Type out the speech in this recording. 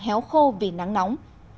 héo khô vì nắng nóng